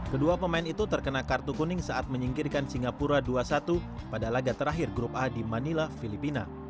kedua pemain itu terkena kartu kuning saat menyingkirkan singapura dua satu pada laga terakhir grup a di manila filipina